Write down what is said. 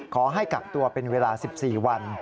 ขอให้กักตัวเป็นเวลา๑๔วัน